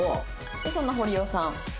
でそんな堀尾さん。